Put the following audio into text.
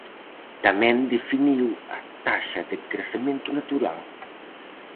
Tamén definiu a taxa de crecemento natural.